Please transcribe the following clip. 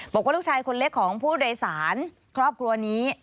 บอกว่าลูกชายคนเล็กของผู้โดยสารครอบครัวนี้